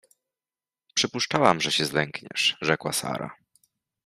— Przypuszczałam, że się zlękniesz — rzekła Sara.